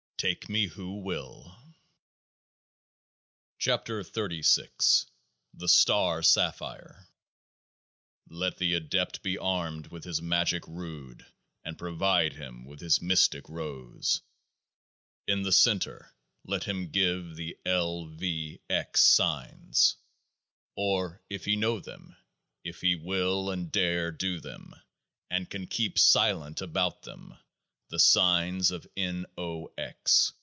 Take me, who will ! 45 KEOAAH AS THE STAR SAPPHIRE Let the Adept be armed with his Magick Rood [and provided with his Mystic Rose] . In the centre, let him give the L. V. X. signs ; or if he know them, if he will and dare do them, and can keep silent about them, the signs of N. O. X.